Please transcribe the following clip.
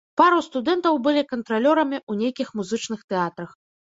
Пару студэнтаў былі кантралёрамі ў нейкіх музычных тэатрах.